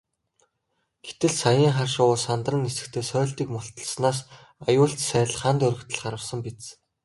Гэтэл саяын хар шувуу сандран нисэхдээ сойлтыг мулталснаас аюулт сааль хана доргитол харвасан биз.